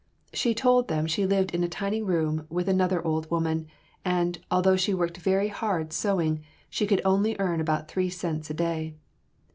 She told them she lived in a tiny room with another old woman, and, although she worked very hard sewing, she could only earn about three cents a day.